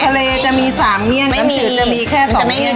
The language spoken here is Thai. ทะเลจะมี๓เมี่ยงน้ำจืดจะมีแค่๒เมี่ยง